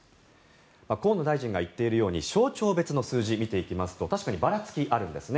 河野大臣が言っているように省庁別の数字を見てみますと確かにばらつき、あるんですね。